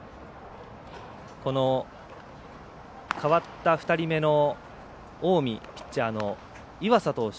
代わった２人目の近江ピッチャーの岩佐投手。